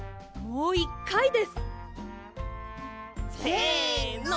もう１かいです！せの！